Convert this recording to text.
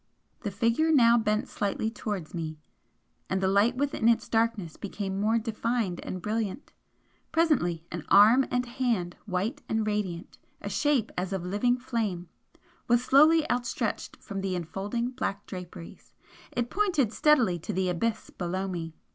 The Figure now bent slightly towards me, and the light within its darkness became more denned and brilliant. Presently an arm and hand, white and radiant a shape as of living flame was slowly outstretched from the enfolding black draperies. It pointed steadily to the abyss below me.